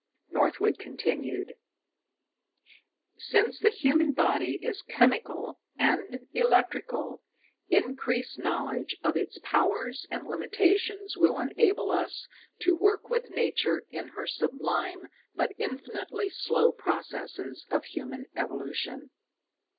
Northwood continued: Since the human body is chemical and electrical, increased knowledge of its powers and limitations will enable us to work with Nature in her sublime but infinitely slow processes of human evolution.